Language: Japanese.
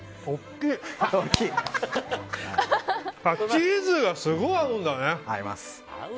チーズがすごい合うんだね。